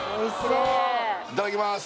いただきます